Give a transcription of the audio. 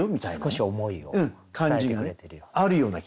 少し思いを伝えてくれてるような。